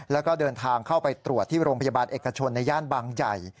แล้วก็เดินทางเข้าไปตรวจที่โรงพยาบาลเอกชนในย่านบางใหญ่